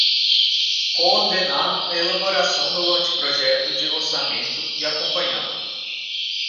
Coordenar a elaboração do anteprojecto de orçamento e acompanhá-lo.